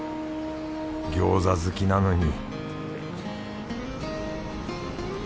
餃子好きなのに